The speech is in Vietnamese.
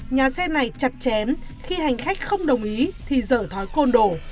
nhà xe này chặt chém khi hành khách không đồng ý thì dở thói côn đổ